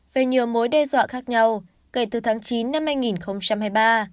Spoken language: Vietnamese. về nhiều mối đe dọa khác nhau kể từ tháng chín năm hai nghìn hai mươi ba